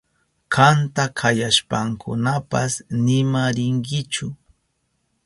Kanta kayashpankunapas nima rinkichu.